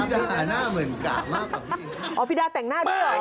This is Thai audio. เพื่อนปีนี่เนียมแม่ง